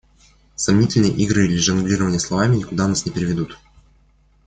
Сомнительные игры или жонглирование словами никуда нас не приведут.